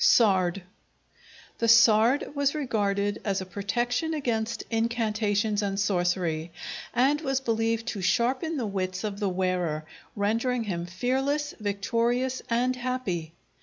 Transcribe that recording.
Sard The sard was regarded as a protection against incantations and sorcery, and was believed to sharpen the wits of the wearer, rendering him fearless, victorious, and happy.